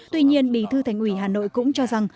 tuy nhiên bí thư thành ủy hà nội cũng cho rằng